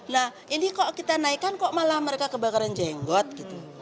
nah ini kok kita naikkan kok malah mereka kebakaran jenggot gitu